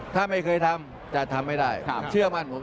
ถ้าไม่เคยทำจะทำไม่ได้เชื่อมั่นผม